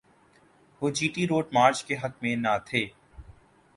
وہ G T Road march کے حق میں نہ تھے۔